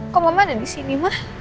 kok mama ada di sini